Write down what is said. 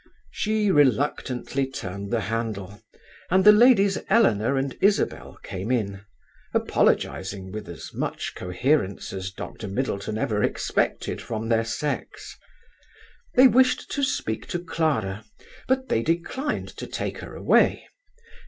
She reluctantly turned the handle, and the ladies Eleanor and Isabel came in, apologizing with as much coherence as Dr. Middleton ever expected from their sex. They wished to speak to Clara, but they declined to take her away.